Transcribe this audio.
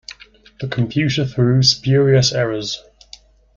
The computer threw spurious errors.